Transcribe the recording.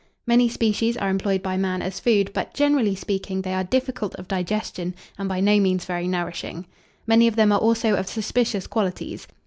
Many species are employed by man as food; but, generally speaking, they are difficult of digestion, and by no means very nourishing. Many of them are also of suspicious qualities.